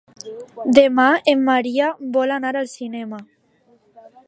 Demà en Maria vol anar al cinema.